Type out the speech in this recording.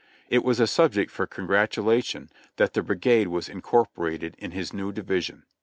It was a subject for congratulation that the brigade was incorporated in his new division.